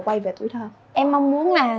quay về tuổi thơ em mong muốn là